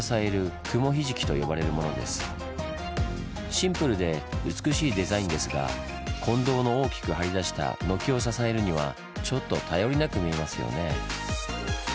シンプルで美しいデザインですが金堂の大きく張り出した軒を支えるにはちょっと頼りなく見えますよね。